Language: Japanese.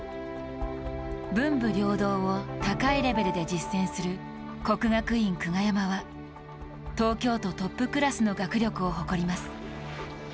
文武両道を高いレベルで実践する國學院久我山は東京都トップクラスの学力を誇ります。